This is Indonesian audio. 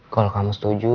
kalau kamu setuju